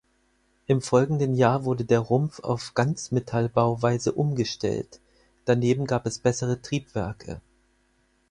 Im folgenden Jahr wurde der Rumpf auf Ganzmetallbauweise umgestellt; daneben gab es bessere Triebwerke.